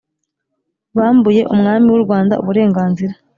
bambuye umwami w'u rwanda uburenganzira